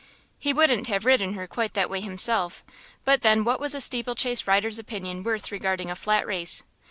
He wouldn't have ridden her quite that way himself; but then what was a steeplechase rider's opinion worth regarding a flat race?